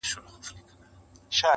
نه مالونه به خوندي وي د خانانو،